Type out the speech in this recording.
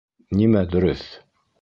Нимә дөрөҫ?